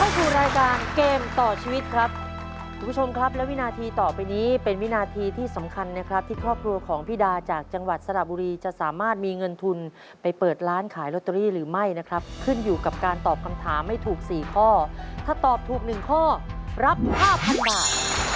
จากจังหวัดสลับบุรีจะสามารถมีเงินทุนไปเปิดร้านขายโรตเตอรี่หรือไม่นะครับขึ้นอยู่กับการตอบคำถามไม่ถูก๔ข้อถ้าตอบถูก๑ข้อรับ๕๐๐๐บาท